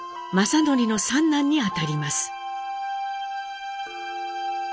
正徳の三男にあたります。